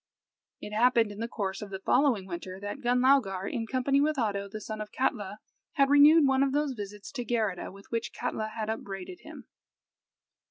It happened in the course of the following winter that Gunlaugar, in company with Oddo, the son of Katla, had renewed one of those visits to Geirrida with which Katla had upbraided him.